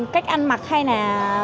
cách ăn mặc hay là